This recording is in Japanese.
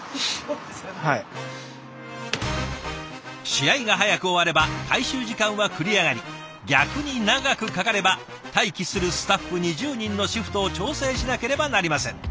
試合が早く終われば回収時間は繰り上がり逆に長くかかれば待機するスタッフ２０人のシフトを調整しなければなりません。